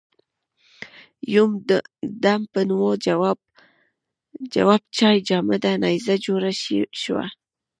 یو دم به مو جواب چای جامده نيزه جوړه شوه.